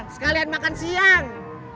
sekalian makan siang